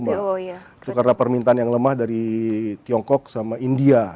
karena permintaan yang lemah dari tiongkok sama india